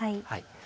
はい。